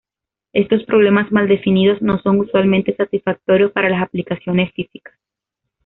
Estos problemas mal definidos no son usualmente satisfactorios para las aplicaciones físicas.